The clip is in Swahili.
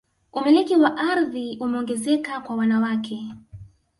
umiliki wa ardhi umeongezeka kwa wanawake